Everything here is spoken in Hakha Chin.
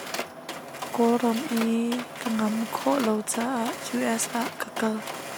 Kawlram i ka ngam khawh lo caah US ah ka kal.